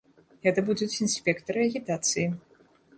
Гэта будуць інспектары агітацыі.